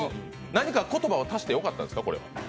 何か言葉を足してよかったんですか？